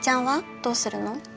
どうするの？